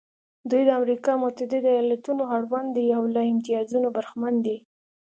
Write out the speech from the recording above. دوی د امریکا متحده ایالتونو اړوند دي او له امتیازونو برخمن دي.